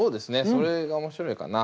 それが面白いかな。